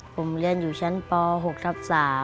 ผมเรียนอยู่ชั้นป๖ทับ๓